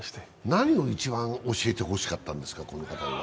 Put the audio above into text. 何を一番教えてほしかったんですか？